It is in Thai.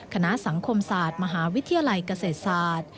คณะสังคมศาสตร์มหาวิทยาลัยเกษตรศาสตร์